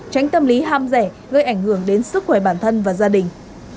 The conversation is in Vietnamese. tránh tâm lý ham rẻ gây ảnh hưởng đến sức khỏe bản thân và gia đình